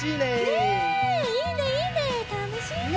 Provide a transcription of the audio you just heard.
ねえいいねいいねたのしいね。